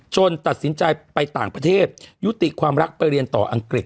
ตัดสินใจไปต่างประเทศยุติความรักไปเรียนต่ออังกฤษ